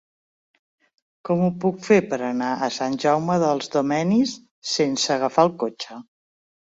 Com ho puc fer per anar a Sant Jaume dels Domenys sense agafar el cotxe?